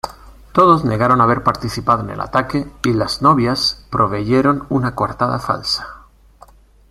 Todos negaron haber participado en el ataque y las novias proveyeron una coartada falsa.